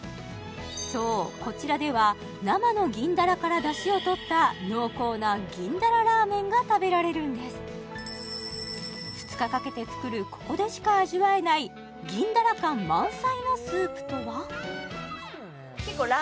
そうこちらでは生の銀だらからだしを取った濃厚な銀だらラーメンが食べられるんです２日かけて作るここでしか味わえない銀だら感満載のスープとは？